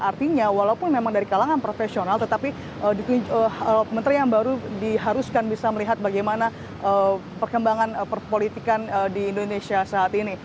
artinya walaupun memang dari kalangan profesional tetapi menteri yang baru diharuskan bisa melihat bagaimana perkembangan perpolitikan di indonesia saat ini